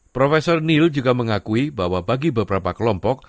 prof neil juga mengakui bahwa bagi beberapa kelompok